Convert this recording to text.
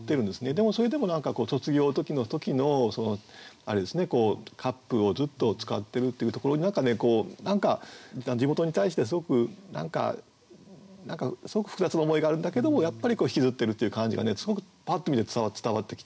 でもそれでも何か卒業の時のカップをずっと使ってるっていうところに地元に対してすごく何かすごく複雑な思いがあるんだけどもやっぱり引きずってるという感じがねすごくパッと見て伝わってきてね